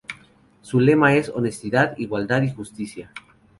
Su lema es ""Honestidad, Igualdad, y Justicia"".